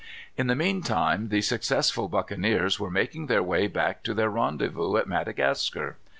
In the mean time the successful buccaneers were making their way back to their rendezvous at Madagascar.